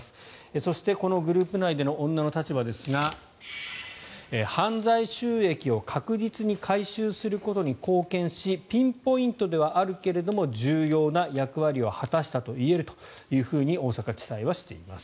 そして、このグループ内での女の立場ですが犯罪収益を確実に回収することに貢献しピンポイントではあるけれども重要な役割を果たしたといえるというふうに大阪地裁はしています。